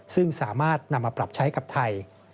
ซึ่งสามารถนำมาปรับใช้กับไทย